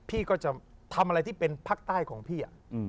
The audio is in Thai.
พี่ก็จะทำอะไรที่เป็นภาคใต้ของพี่